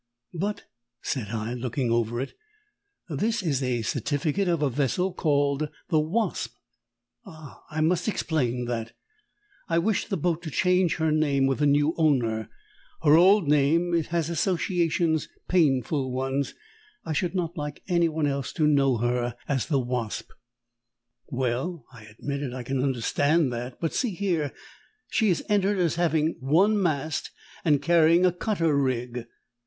"But," said I, looking over it, "this is a certificate of a vessel called the Wasp." "Ah, I must explain that. I wished the boat to change her name with the new owner. Her old name it has associations painful ones I should not like anyone else to know her as the Wasp." "Well," I admitted, "I can understand that. But, see here, she is entered as having one mast and carrying a cutter rig."